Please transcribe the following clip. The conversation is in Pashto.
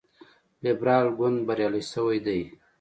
لیبرال ګوند بریالی شوی دی.